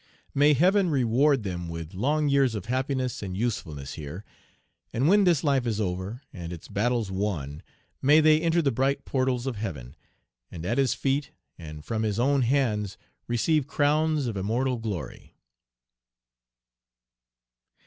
May Heaven reward them with long years of happiness and usefulness here, and when this life is over, and its battles won, may they enter the bright portals of heaven, and at His feet and from His own hands receive crowns of immortal glory.